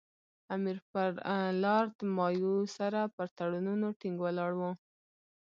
امیر پر لارډ مایو سره پر تړونونو ټینګ ولاړ وو.